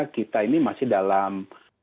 kita ini masih dalam